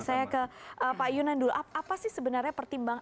saya ke pak yunan dulu apa sih sebenarnya pertimbangan